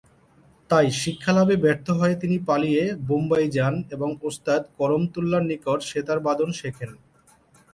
তাই শিক্ষালাভে ব্যর্থ হয়ে তিনি পালিয়ে বোম্বাই যান এবং ওস্তাদ করমতুল্লার নিকট সেতারবাদন শেখেন।